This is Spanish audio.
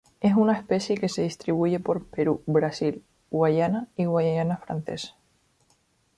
Es una especie que se distribuye por Perú, Brasil, Guyana y Guayana Francesa.